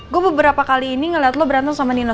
gue beberapa kali ini ngelihat lo berantem sama nino